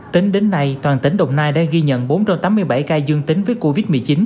tính đến nay toàn tỉnh đồng nai đã ghi nhận bốn trăm tám mươi bảy ca dương tính với covid một mươi chín